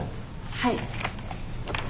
はい。